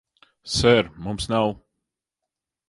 Ser, mums nav...